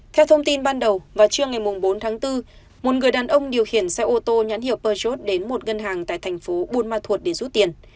theo thông tin ban đầu vào trưa ngày bốn tháng bốn một người đàn ông điều khiển xe ô tô nhãn hiệu perjeot đến một ngân hàng tại thành phố buôn ma thuột để rút tiền